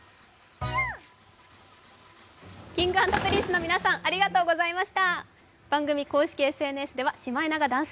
Ｋｉｎｇ＆Ｐｒｉｎｃｅの皆さんありがとうございました。